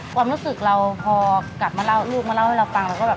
ความรู้สึกเราพอกลับมาเล่าลูกมาเล่าให้เราฟังเราก็แบบ